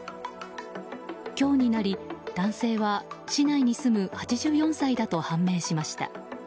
今日になり、男性は市内に住む８４歳だと判明しました。